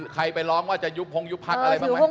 ไปร้องว่าจะยุบพงยุบพักอะไรบ้างไหม